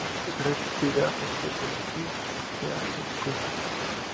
Distingue tres dígrafos que son: Ch, Sh y Qu.